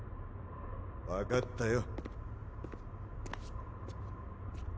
分かったよ。